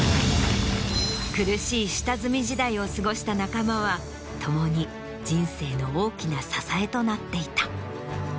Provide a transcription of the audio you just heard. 苦しい下積み時代を過ごした仲間は共に人生の大きな支えとなっていた。